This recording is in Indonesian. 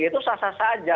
itu sasar saja